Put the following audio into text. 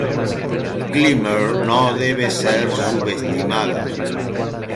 Glimmer no debe ser subestimada.